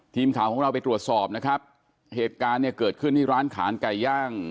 ทีมข่าวของเราไปตรวจสอบนะครับเหตุการณ์เนี่ยเกิดขึ้นที่ร้านขายไก่ย่าง